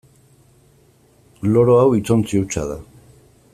Loro hau hitzontzi hutsa da.